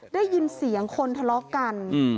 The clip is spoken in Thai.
ได้ยินเสียงคนทะเลาะกัน